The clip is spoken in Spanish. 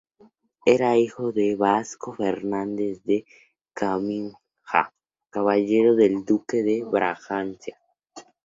Era hijo de Vasco Fernandes de Caminha, caballero del duque de Braganza.